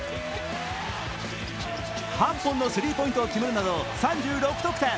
８本のスリーポイントを決めるなど３６得点。